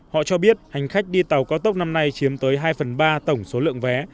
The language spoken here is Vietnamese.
họ cho biết hành khách đi tàu cao tốc năm nay chiếm tới hai phần ba tổng số lượng vé